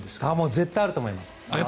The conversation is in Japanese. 絶対あると思います。